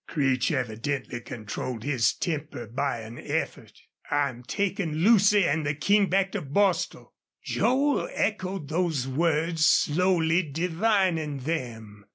Creech evidently controlled his temper by an effort. "I'm takin' Lucy an' the King back to Bostil." Joel echoed those words, slowly divining them.